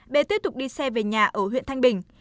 bé tiếp tục đi xe về nhà ở huyện thanh bình